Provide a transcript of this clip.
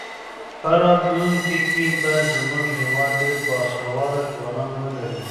په راتلونکي کې به زموږ هېواد ډېر باسواده ځوانان ولري.